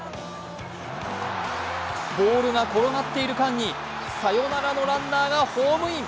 ボールが転がっている間にサヨナラのランナーがホームイン。